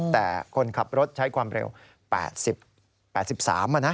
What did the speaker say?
แต่คนขับรถใช้ความเร็ว๘๓กิโลเมตรอ่ะนะ